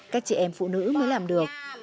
các chị em phụ nữ mới làm được